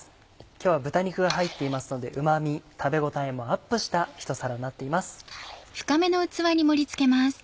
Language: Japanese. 今日は豚肉が入っていますのでうま味食べ応えもアップしたひと皿になっています。